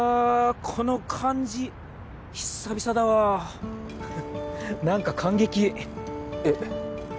この感じ久々だわ何か感激えっ？